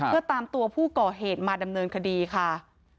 เพื่อตามตัวผู้ก่อเหตุมาดำเนินคดีค่ะ